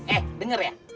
eh dengar ya